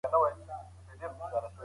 کمپيوټر انټرنېټ خوندي کوي.